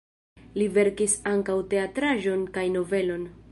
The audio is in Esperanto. Li verkis ankaŭ teatraĵon kaj novelon.